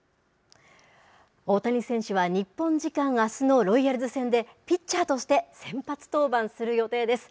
大谷選手は日本時間あすのロイヤルズ戦で、ピッチャーとして先発登板する予定です。